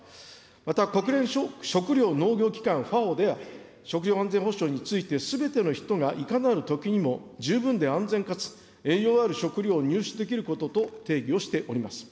また、国連食糧農業機関・ＦＡＯでは、食料安全保障についてすべての人たちがいかなるときにも十分で安全かつ栄養ある食料を入手できることと定義をしております。